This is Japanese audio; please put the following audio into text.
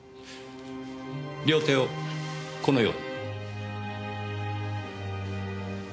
両手をこのように。